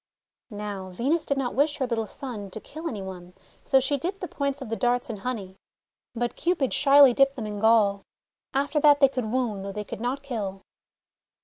Now, Venus did not wish her little son to kill any one, so she dipped the points of the darts in honey. But Cupid shyly dipped them in gall. After that they could wound though they could not kill.